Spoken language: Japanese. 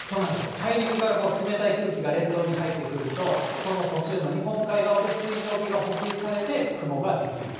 大陸から冷たい空気が列島に入ってくると、その途中の日本海側で水蒸気が補給されて、雲が出来ると。